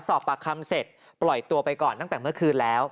สอบปากคำเสร็จปล่อยตัวไปก่อนตั้งแต่เมื่อคืนแล้ว